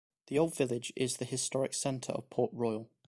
The Old Village is the historic center of Port Royal.